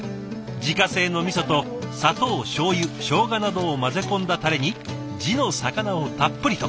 自家製のみそと砂糖しょうゆショウガなどを混ぜ込んだたれに地の魚をたっぷりと。